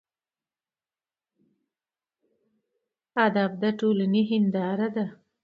ادب د ټولنې هینداره ده.